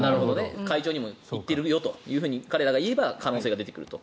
会長にも言っているよと彼らが言えば可能性はあると。